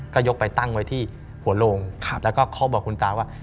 ก็ยกไปตั้งไว้ที่หัวโลงแล้วก็เขาบอกคุณตาว่า